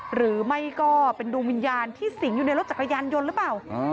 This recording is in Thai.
หรือไม่ก็เป็นดวงวิญญาณที่สิงอยู่ในรถจักรยานยนต์หรือเปล่า